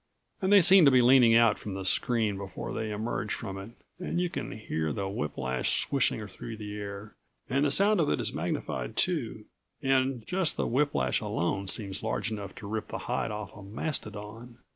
And they seem to be leaning out from the screen before they emerge from it and you can hear the whiplash swishing through the air and the sound of it is magnified too, and just the whiplash alone seems large enough to rip the hide off a mastodon.